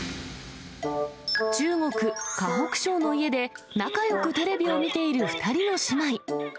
中国・河北省の家で、仲よくテレビを見ている２人の姉妹。